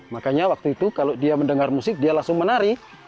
makanya waktu itu kalau dia mendengar musik dia langsung menari